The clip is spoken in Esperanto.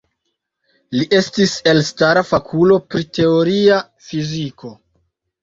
Li estis elstara fakulo pri teoria fiziko.